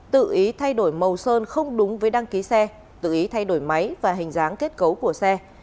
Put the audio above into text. tự ý thay đổi màu sơn không đúng với đăng ký xe tự ý thay đổi máy và hình dáng kết cấu của xe